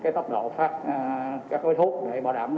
tốc độ phát các khối thuốc để bảo đảm